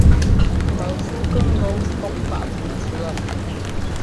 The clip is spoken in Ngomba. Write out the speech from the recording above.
Pazúu kɛ ŋ́gɔ ŋ́kɔk páꞋ puu cú laa.